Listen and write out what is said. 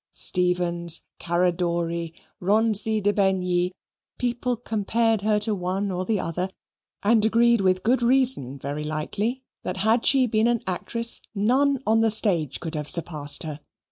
Stephens, Caradori, Ronzi de Begnis, people compared her to one or the other, and agreed with good reason, very likely, that had she been an actress none on the stage could have surpassed her.